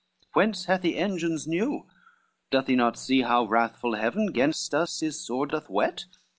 Whence hath he engines new? doth he not see, How wrathful Heaven gainst us his sword doth whet?